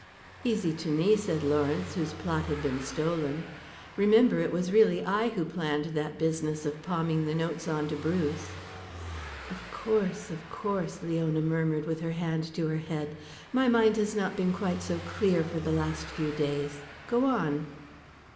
"Easy to me," said Lawrence, "whose plot had been stolen. Remember it was really I who planned that business of palming the notes on to Bruce." "Of course, of course," Leona murmured with her hand to her head. "My mind has not been quite so clear for the last few days. Go on."